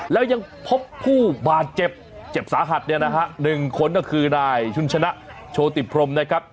แล้วยังพบผู้บาดเจ็บเจ็บสาหัสเนี่ยนะฮะ๑คนก็คือนายชุนชนะโชติพรมนะครับ